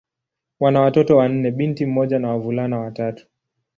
Wana watoto wanne: binti mmoja na wavulana watatu.